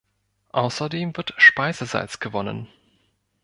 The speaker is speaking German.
Außerdem wird Speisesalz gewonnen.